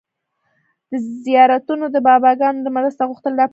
د زيارتونو او باباګانو نه مرسته غوښتل ناپوهي ده